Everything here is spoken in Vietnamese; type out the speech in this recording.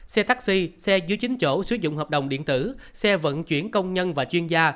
xe taxi xe dưới chín chỗ sử dụng hợp đồng điện tử xe vận chuyển công nhân và chuyên gia